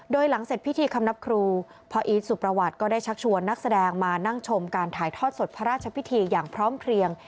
โดยหลังเสร็จพิธีคำนับครูพ่ออีทสุประวัติก็ได้ชักชวนนักแสดงมานั่งชมการถ่ายทอดสดพระราชพิธีอย่างพร้อมเพลียง